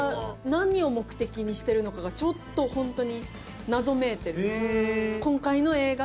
何を目的にしてるのかがちょっとホントに謎めいてる。